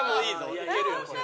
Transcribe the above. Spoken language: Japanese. いけるよこれ。